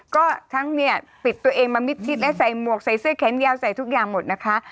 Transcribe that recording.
ก็ทั้งเนี่ยปิดตัวเองมามิดชิดและใส่หมวกใส่เสื้อแขนยาวใส่ทุกอย่างหมดนะคะ